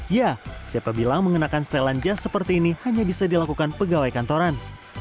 ya siapa bilang mengenakan setelan jas seperti ini hanya bisa dilakukan pegawai kantoran